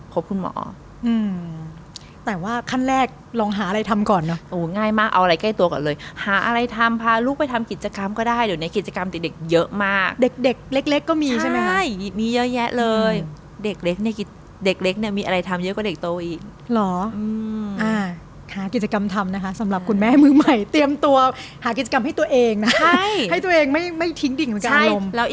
พบคุณหมอแต่ว่าขั้นแรกลองหาอะไรทำก่อนเนอะง่ายมากเอาอะไรใกล้ตัวก่อนเลยหาอะไรทำพาลูกไปทำกิจกรรมก็ได้เดี๋ยวเนี้ยกิจกรรมติดเด็กเยอะมากเด็กเด็กเล็กเล็กก็มีใช่ไหมค่ะใช่มีเยอะแยะเลยเด็กเล็กเนี้ยเด็กเล็กเนี้ยมีอะไรทำเยอะกว่าเด็กโตอีกหรออ่าหากิจกรรมทำนะคะสำหรับคุณแม่มือใหม่เตรียมตั